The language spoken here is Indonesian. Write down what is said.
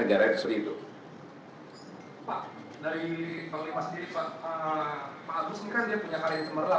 pak dari panglima sendiri pak agus ini kan dia punya karir yang kemarlah